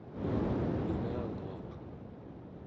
nunanguaq